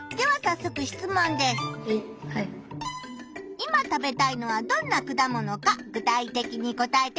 いま食べたいのはどんな果物か具体的に答えて！